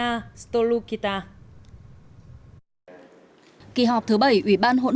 kỳ họp thứ bảy ủy ban hỗn hợp về hợp tác kinh tế khoa học kỹ thuật việt nam indonesia